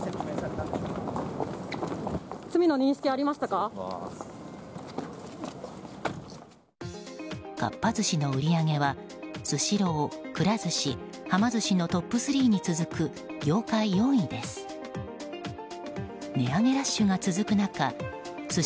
かっぱ寿司の売り上げはスシロー、くら寿司、はま寿司のはま寿司のトップ３に続く業界４位です。